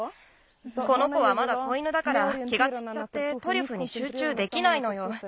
この子はまだ子犬だから気がちっちゃってトリュフにしゅうちゅうできないのよ。